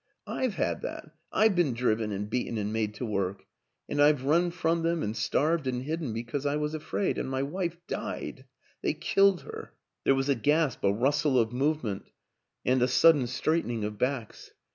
I've had that I've been driven and beaten and made to work. And I've run from them and starved and hidden because I was afraid. And my wife died they killed her " There was a gasp, a rustle of movement and a 226 WILLIAM AN ENGLISHMAN sudden straightening of backs.